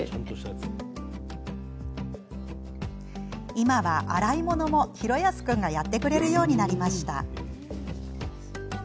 今は洗い物も嘉康君がやってくれるようになりました。